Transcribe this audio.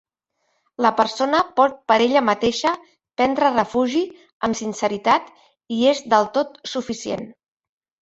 La persona pot per ella mateixa prendre refugi amb sinceritat i és del tot suficient.